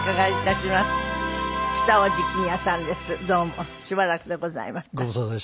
しばらくでございました。